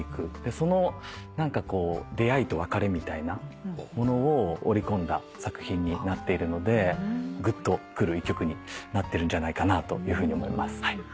その出会いと別れみたいなものを織り込んだ作品になっているのでグッとくる一曲になってるんじゃないかと思います。